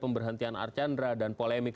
pemberhentian archandra dan polemik